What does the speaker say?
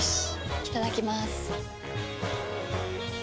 いただきまーす。